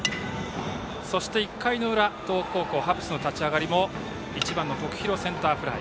そして１回の裏、東北高校ハッブスの立ち上がりも１番の徳弘、センターフライ。